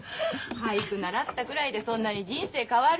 俳句習ったぐらいでそんなに人生変わる？